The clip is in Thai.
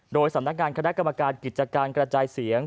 โดยสำนักงานคณะกรรมการกิจการกระจายเสียง